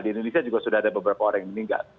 di indonesia juga sudah ada beberapa orang yang meninggal